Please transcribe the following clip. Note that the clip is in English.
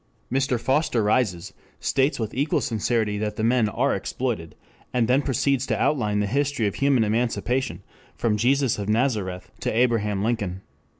Mr. Foster rises, states with equal sincerity that the men are exploited, and then proceeds to outline the history of human emancipation from Jesus of Nazareth to Abraham Lincoln.